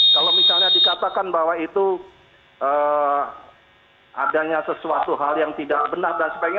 kalau misalnya dikatakan bahwa itu adanya sesuatu hal yang tidak benar dan sebagainya